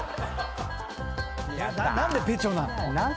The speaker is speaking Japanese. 何でペチョなの？